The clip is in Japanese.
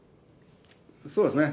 そうですね。